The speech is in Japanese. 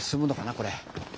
これ。